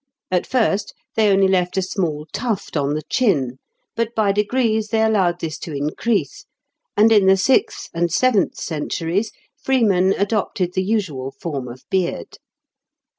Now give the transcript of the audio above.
At first, they only left a small tuft on the chin, but by degrees they allowed this to increase, and in the sixth and seventh centuries freemen adopted the usual form of beard.